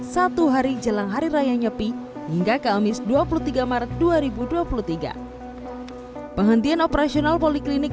satu hari jelang hari raya nyepi hingga kamis dua puluh tiga maret dua ribu dua puluh tiga penghentian operasional poliklinik